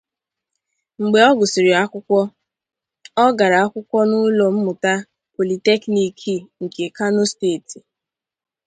Mgbe ọ gụsịrị akwụkwọ, ọ gara akwụkwọ na ụlọ mmụta politekniki nke Kano Steeti.